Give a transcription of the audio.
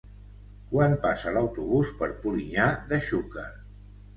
Quan passa l'autobús per Polinyà de Xúquer?